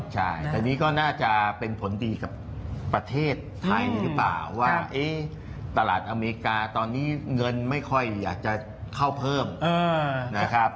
ใช่แต่นี่ก็น่าจะเป็นผลดีกับประเทศไทยหรือเปล่าว่าตลาดอเมริกาตอนนี้เงินไม่ค่อยอยากจะเข้าเพิ่มนะครับ